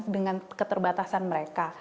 dengan keterbatasan mereka